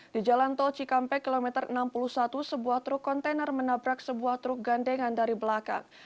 di jalan tol cikampek kilometer enam puluh satu sebuah truk kontainer menabrak sebuah truk gandengan dari belakang